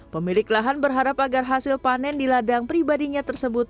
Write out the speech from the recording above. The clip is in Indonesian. pemilik lahan berharap agar hasil panen di ladang pribadinya tersebut